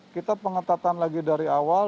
kita pengetatan lagi dari awal